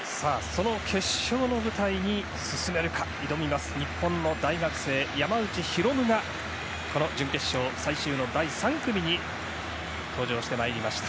決勝の舞台に進めるか、日本の大学生・山内大夢がこの準決勝、最終の第３組に登場してまいりました。